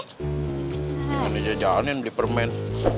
gimana dia jalanin di permen